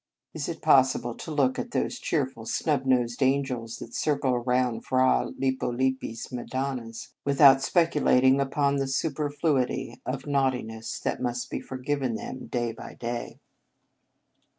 Is it possible to look at those cheerful, snub nosed angels that circle around Fra Lippo Lippi s madonnas, without speculating upon the superfluity of naughtiness that must be forgiven them day by day?